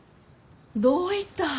どういた？